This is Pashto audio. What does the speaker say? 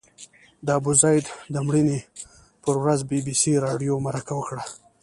د ابوزید د مړینې پر ورځ بي بي سي راډیو مرکه وکړه.